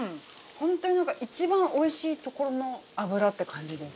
本当に一番おいしいところの脂って感じです。